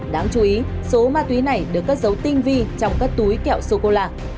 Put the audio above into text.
đáng chú ý số ma túy này được cất dấu tinh vi trong các túi kẹo sô cô la